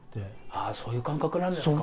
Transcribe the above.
ああそういう感覚なんですか。